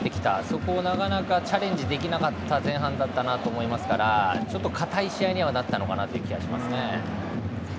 そこをなかなかチャレンジできなかった前半だと思いますからちょっとかたい試合にはなったのかなという気はしますよね。